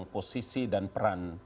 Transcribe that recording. posisi dan peran